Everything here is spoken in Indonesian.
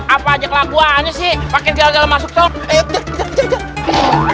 apa aja kelakuannya sih pake gel gel masuk tol